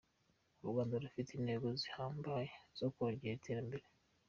U Rwanda rufite intego zihambaye zo kongera iterambere.